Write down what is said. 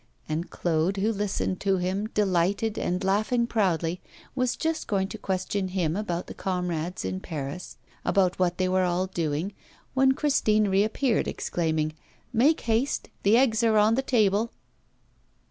And Claude, who listened to him, delighted, and laughing proudly, was just going to question him about the comrades in Paris, about what they were all doing, when Christine reappeared, exclaiming: 'Make haste, the eggs are on the table.